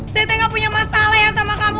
saya gak punya masalah ya sama kamu